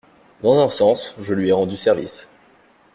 Dans un sens, je lui ai rendu service.